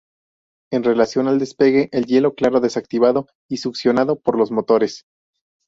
En relación al despegue, el hielo claro desactivado y se succionado por los motores.